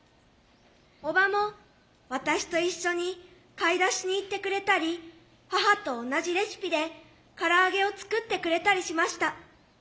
おばも私と一緒に買い出しに行ってくれたり母と同じレシピでから揚げを作ってくれたりしました。